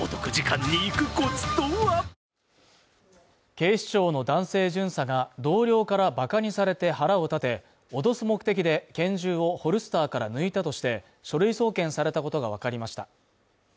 警視庁の男性巡査が、同僚から馬鹿にされて腹を立て、脅す目的で拳銃をホルスターから抜いたとして書類送検されたことがわかりました。